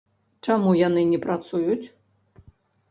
Чаму яны не працуюць?